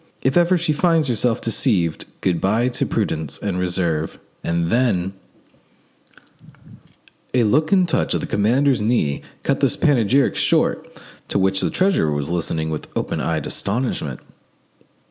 If ever she finds herself deceived, good bye to prudence and reserve, and then—" A look and a touch of the commander's knee cut this panegyric short, to which the treasurer was listening with open eyed astonishment.